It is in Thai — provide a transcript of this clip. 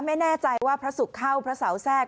ไม่แน่ใจว่าพระสุริเคราะห์พระเสาแทรก